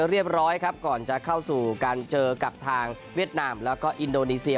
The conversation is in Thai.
เรียบร้อยครับก่อนจะเข้าสู่การเจอกับทางเวียดนามแล้วก็อินโดนีเซีย